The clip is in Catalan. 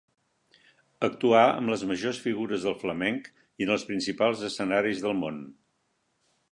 Actuà amb les majors figures del flamenc i en els principals escenaris del món.